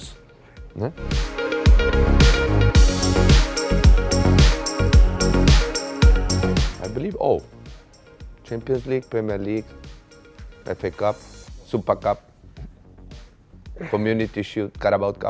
ฉันเชื่อแชมพีเอิ้นลีกเปรมเมอร์ลีกแฟเฟ่กัปเซาปเปอร์กัปคอมมูนิวชุดคาโรบัวด์กัป